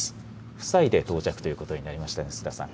夫妻で到着ということになりましたね、須田さん。